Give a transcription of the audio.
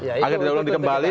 agar tidak diulang kembali